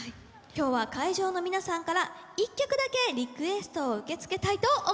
今日は会場の皆さんから１曲だけリクエストを受け付けたいと思います。